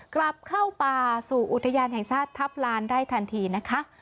กลับเข้าป่าสู่อุทยานแห่งชาติทัพลานได้ทันทีนะคะ